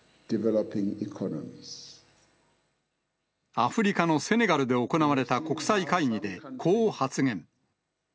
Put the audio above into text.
アフリカのセネガルで行われた国際会議で、こう発言。